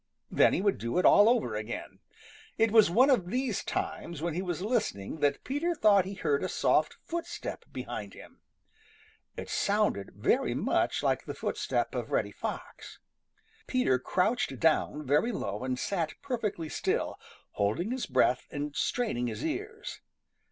Then he would do it all over again. It was one of these times when he was listening that Peter thought he heard a soft footstep behind him. It sounded very much like the footstep of Reddy Fox. Peter crouched down very low and sat perfectly still, holding his breath and straining his ears.